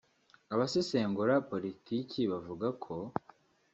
Abasesengura Politiki bavuga ko